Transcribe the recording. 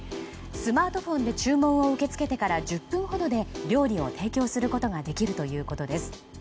スマートフォンで注文を受け付けてから１０分ほどで料理を提供することができるということです。